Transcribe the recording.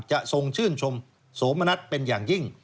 ทรงชื่นชมโสมณัฐเป็นอย่างยิ่ง